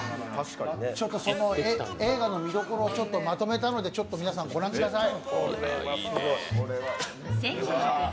映画の見どころをまとめたのでご覧ください。